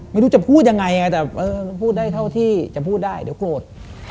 ไม่รู้จะพูดยังไงแต่พูดได้เท่าที่จะพูดได้เดี๋ยวโกรธ